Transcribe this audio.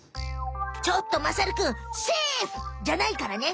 ちょっとまさるくん「セーフ！」じゃないからね。